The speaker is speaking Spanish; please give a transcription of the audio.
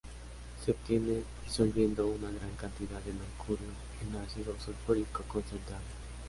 Se obtiene disolviendo una gran cantidad de mercurio en ácido sulfúrico concentrado.